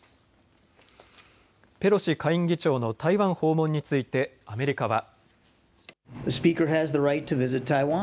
ペロシ下院議長の台湾訪問についてアメリカは。